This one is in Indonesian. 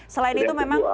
selain itu memang